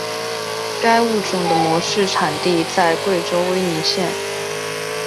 该物种的模式产地在贵州威宁县。